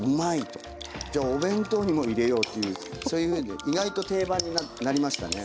じゃあお弁当にも入れようとそういうふうに意外と定番になりましたね。